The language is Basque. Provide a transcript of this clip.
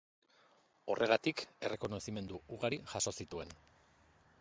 Horregatik, errekonozimendu ugari jaso zituen.